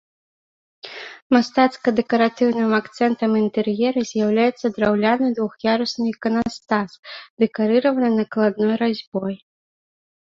Мастацка-дэкаратыўным акцэнтам інтэр'ера з'яўляецца драўляны двух'ярусны іканастас, дэкарыраваны накладной разьбой.